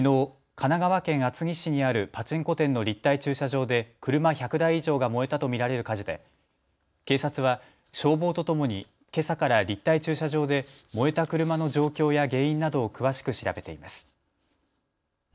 神奈川県厚木市にあるパチンコ店の立体駐車場で車１００台以上が燃えたと見られる火事で警察は消防とともにけさから立体駐車場で燃えた車の状況や原因などを詳しく調べています。